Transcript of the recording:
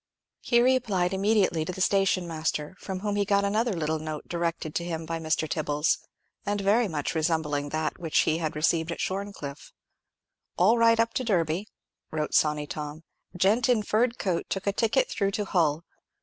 Here he applied immediately to the station master, from whom he got another little note directed to him by Mr. Tibbles, and very much resembling that which he had received at Shorncliffe. "All right up to Derby," wrote Sawney Tom. "_Gent in furred coat took a ticket through to Hull.